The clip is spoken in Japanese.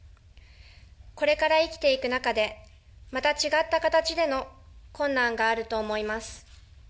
これから生きていく中で、また違った形での困難があると思います。